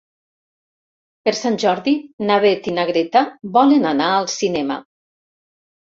Per Sant Jordi na Beth i na Greta volen anar al cinema.